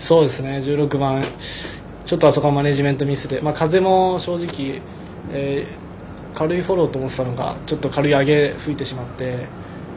１６番ちょっとあそこはマネジメントミスで風も正直、軽いフォローと思っていたのがちょっと軽いアゲ吹いてしまって。